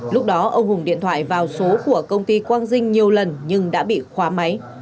lúc đó ông hùng điện thoại vào số của công ty quang dinh nhiều lần nhưng đã bị khóa máy